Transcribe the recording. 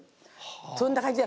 そんな感じで。